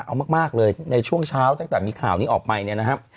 เอามากเลยในช่วงเช้าตั้งแต่มีข่าวนี้ออกไปเนี่ยนะครับ